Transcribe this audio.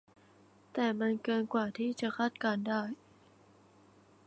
แต่มันเกินกว่าที่จะคาดการณ์ได้